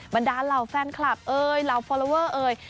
บันดาลาวแฟนคลับเอ่ยลาวฟอลลอเวอร์เอ่ย